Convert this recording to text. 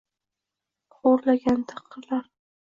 xo’rlangan taqdirlar!!!...